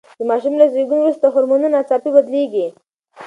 د ماشوم له زېږون وروسته هورمونونه ناڅاپي بدلیږي.